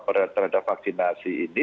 tertanggung jawab terhadap vaksinasi ini